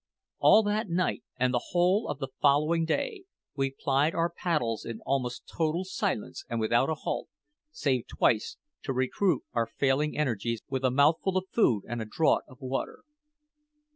All that night and the whole of the following day we plied our paddles in almost total silence and without a halt, save twice to recruit our failing energies with a mouthful of food and a draught of water.